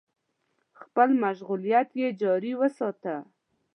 خپل مشغولیت يې جاري وساته.